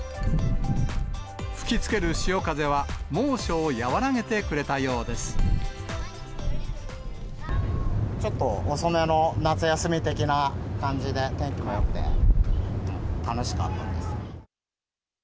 吹きつける潮風は、猛暑を和ちょっと遅めの夏休み的な感じで、天気もよくて、楽しかったです。